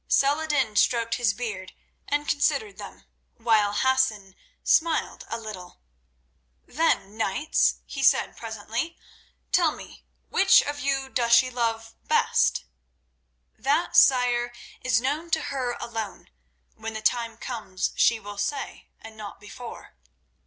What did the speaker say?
Saladin stroked his beard and considered them, while Hassan smiled a little. "Then, knights," he said presently, "tell me, which of you does she love best?" "That, sire, is known to her alone. When the time comes, she will say, and not before."